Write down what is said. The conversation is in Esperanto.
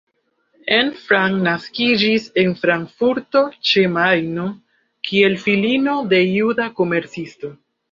Anne Frank naskiĝis en Frankfurto ĉe Majno kiel filino de juda komercisto.